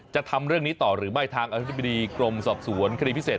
จะทำเรื่องนี้ต่อหรือไม่ทางอธิบดีกรมสอบสวนคดีพิเศษ